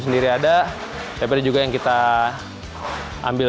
jika ada daripada juga yang kita ambil